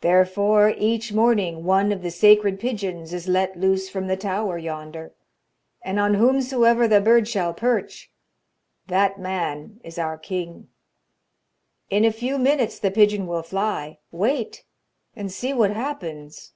Therefore each morning one of the sacred pigeons is let loose from the tower yonder, and on whomsoever the bird shall perch, that man is our king. In a few minutes the pigeon will fly. Wait and see what happens.'